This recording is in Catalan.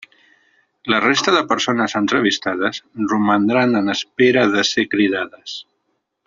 La resta de persones entrevistades romandran en espera de ser cridades.